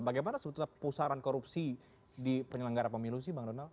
bagaimana sebetulnya pusaran korupsi di penyelenggara pemilu sih bang donald